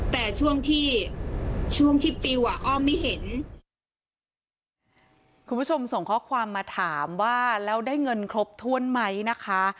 แต่ช่วงที่ช่วงที่ปิวอ่ะอ้อมไม่เห็นคุณผู้ชมส่งข้อความมาถามว่าแล้วได้เงินครบถ้วนไหมนะคะ